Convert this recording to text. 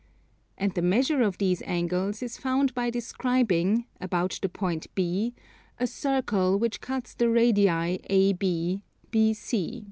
And the measure of these angles is found by describing, about the point B, a circle which cuts the radii AB, BC.